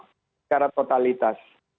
untuk patuh secara totalitas